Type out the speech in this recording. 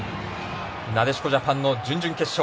なでしこジャパンの準々決勝。